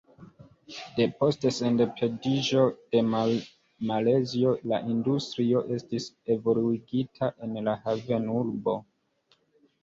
Depost sendependiĝo de Malajzio la industrio estis evoluigita en la havenurbo.